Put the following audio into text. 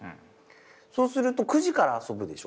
そうすると９時から遊ぶでしょ？